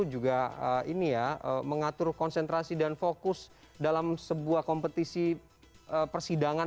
juga mengatur konsentrasi dan fokus dalam sebuah kompetisi persidangan